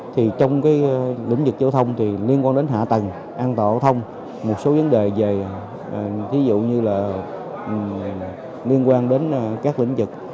thì trong cái lĩnh vực giao thông thì liên quan đến hạ tầng an toàn giao thông một số vấn đề về thí dụ như là liên quan đến các lĩnh vực